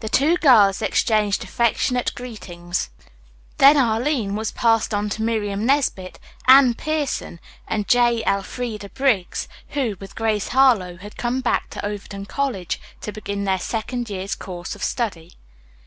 The two girls exchanged affectionate greetings; then Arline was passed on to Miriam Nesbit, Anne Pierson and J. Elfreda Briggs, who, with Grace Harlowe, had come back to Overton College to begin their second year's course of study.